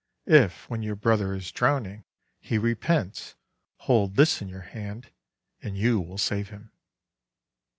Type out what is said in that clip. If, when your brother is drowning, he repents, hold this in your hand and you will save him."